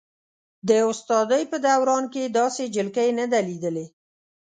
د استادۍ په دوران کې یې داسې جلکۍ نه ده لیدلې.